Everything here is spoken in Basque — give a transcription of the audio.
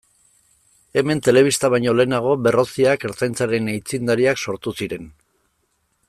Hemen telebista baino lehenago Berroziak Ertzaintzaren aitzindariak sortu ziren.